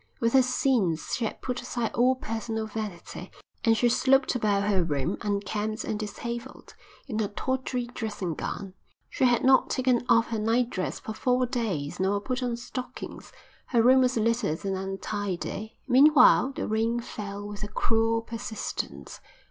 With her sins she had put aside all personal vanity, and she slopped about her room, unkempt and dishevelled, in her tawdry dressing gown. She had not taken off her night dress for four days, nor put on stockings. Her room was littered and untidy. Meanwhile the rain fell with a cruel persistence.